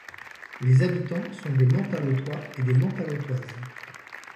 Les habitants sont des Mantallotois et des Mantallotoises.